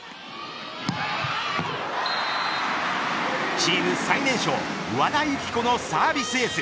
チーム最年少和田由紀子のサービスエース。